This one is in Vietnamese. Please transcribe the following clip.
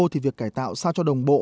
thì việc cải tạo sao cho đồng bộ